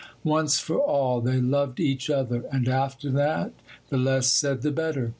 Once for all, they loved each other, and after that, the less said the better.